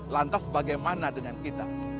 lantas bagaimana dengan kita